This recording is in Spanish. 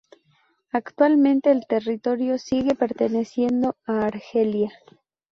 Actualmente el territorio sigue perteneciendo a Argelia.